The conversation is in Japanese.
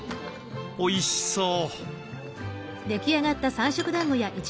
おいしそう。